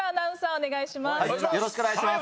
お願いします。